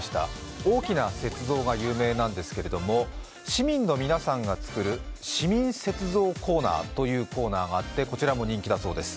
大きな雪像が有名なんですけれども、市民の皆さんが作る市民雪像コーナーというコーナーがあってこちらも人気だそうです。